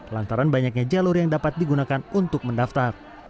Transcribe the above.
lantaran banyaknya jalur yang dapat digunakan untuk mendaftar